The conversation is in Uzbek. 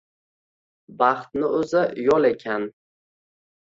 Baxtni o’zi yo’l ekan.